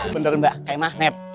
bener mbak kayak magnet